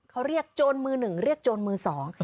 เขาเรียกโจรมือหนึ่งเรียกโจรมือสอง